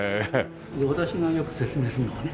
私がよく説明するのはね